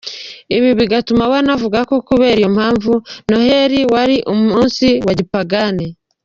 Ibi bigatuma we anavuga ko kubera iyo mpamvu Noheli wari umunsi wa gipagani.